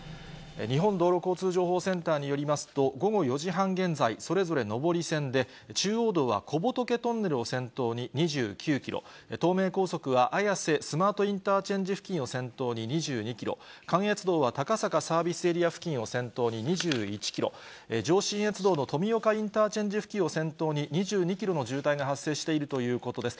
日本道路交通情報センターによりますと、午後４時半現在、それぞれ上り線で、中央道は小仏トンネルを先頭に２９キロ、東名高速は綾瀬スマートインターチェンジ付近を先頭に２２キロ、関越道は高坂サービスエリア付近を先頭に２１キロ、上信越道の富岡インターチェンジ付近を先頭に２２キロの渋滞が発生しているということです。